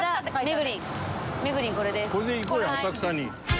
これで行こうよ浅草に。